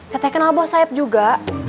katanya kenal bos saeb juga